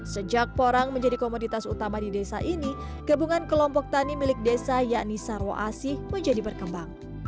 sejak porang menjadi komoditas utama di desa ini gabungan kelompok tani milik desa yakni sarwo asih menjadi berkembang